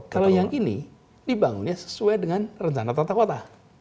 kalau yang ini dibangunnya sesuai dengan rencana tata kota